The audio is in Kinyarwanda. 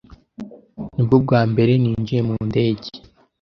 Nibwo bwa mbere ninjiye mu ndege.